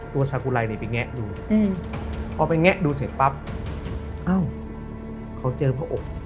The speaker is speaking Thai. ตัวสากุไรนี่ไปแงะดูอืมเขาไปแงะดูเสร็จปั๊บอ้าวเขาเจอพระอบ